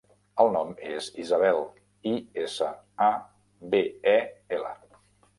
El nom és Isabel: i, essa, a, be, e, ela.